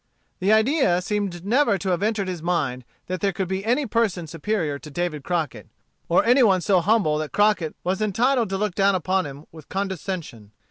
The idea seemed never to have entered his mind that there could be any person superior to David Crockett, or any one so humble that Crockett was entitled to look down upon him with condescension.